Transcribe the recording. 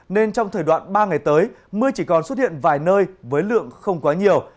nên trong thời đoạn ba ngày tới mưa chỉ còn xuất hiện vài nơi với lượng không quá nhiều